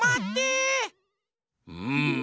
うん。